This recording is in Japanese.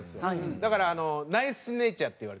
だからナイスネイチャっていわれてます。